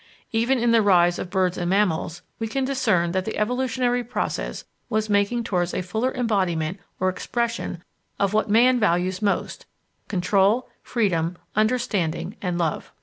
Even in the rise of Birds and Mammals we can discern that the evolutionary process was making towards a fuller embodiment or expression of what Man values most control, freedom, understanding, and love.